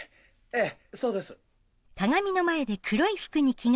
ええそうです。